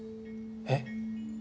えっ？